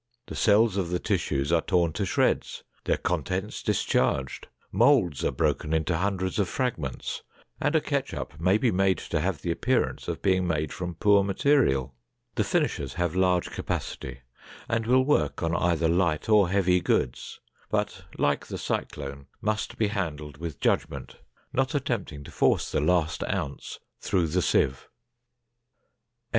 The cells of the tissues are torn to shreds, their contents discharged, molds are broken into hundreds of fragments, and a ketchup may be made to have the appearance of being made from poor material. The finishers have large capacity and will work on either light or heavy goods, but like the cyclone, must be handled with judgment, not attempting to force the last ounce through the sieve. BOTTLING.